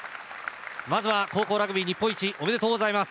まずは高校ラグビー日本一おめでとうございます。